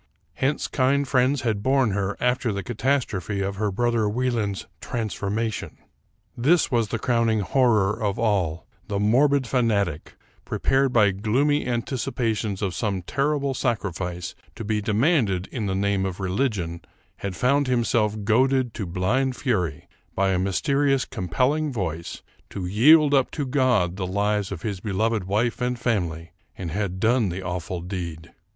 Hence kind friends had borne her after the catastrophe of her brother Wie land's "transformation." This was the crowning horror of all: the morbid fanatic, prepared by gloomy anticipations of some ter rible sacrifice to be demanded in the name of religion, had found himself goaded to blind fury, by a mysterious compelling voice, to yield up to God the lives of his beloved wife and family; and had done the awful deed!